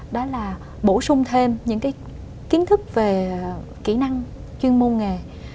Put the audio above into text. đó là bổ sung thêm những kiến thức về kỹ năng chuyên môn nghề